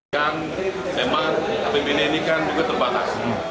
yang memang bpn ini kan juga terbatas